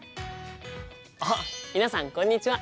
あっ皆さんこんにちは！